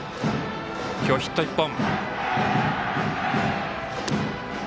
今日、ヒット１本。